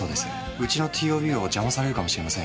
うちのＴＯＢを邪魔するかもしれません。